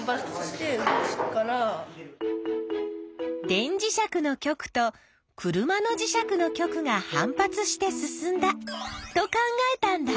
電磁石の極と車の磁石の極が反発して進んだと考えたんだ。